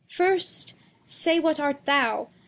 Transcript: First say, what art thou